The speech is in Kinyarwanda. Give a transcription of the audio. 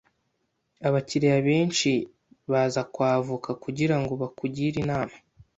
Abakiriya benshi baza kwa avoka kugirango bakugire inama.